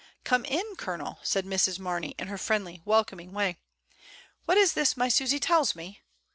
"Come in. Colonel," said Mrs. Marney, in her friendly welcoming way. "What is this my Susy tells me?"